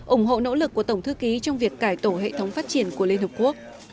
ủng hộ nỗ lực của tổng thư ký trong việc cải tổ hệ thống phát triển của liên hợp quốc